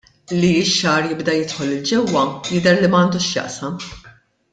Li x-xagħar jibda jidħol 'l ġewwa jidher li m'għandux x'jaqsam.